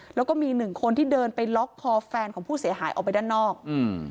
แล้วก็มีหนึ่งคนที่เดินไปล็อกคอแฟนของผู้เสียหายออกไปด้านนอกอืม